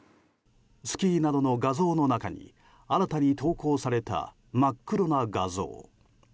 スキーなどの画像の中に新たに投稿された真っ黒な画像。